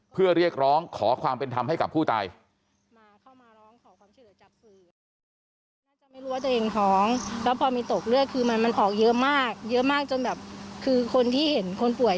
เพื่อเรียกร้องขอความเป็นธรรมให้กับผู้ตาย